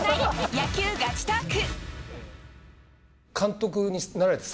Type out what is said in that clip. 野球ガチトーク！